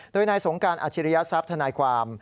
โดยนายสงกรานต์อาชีรยศทัพทนายความ